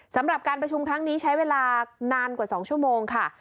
สำหรับการประชุมครั้งนี้ใช้เวลานานกว่า๒ชั่วโมงค่ะ